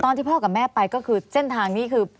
พ่อกับแม่ไปก็คือเส้นทางนี้คือ